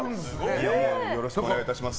よろしくお願いします。